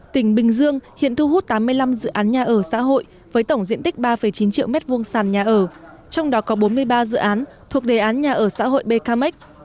tỉnh bình dương hiện thu hút tám mươi năm dự án nhà ở xã hội với tổng diện tích ba chín triệu m hai sàn nhà ở trong đó có bốn mươi ba dự án thuộc đề án nhà ở xã hội bkmec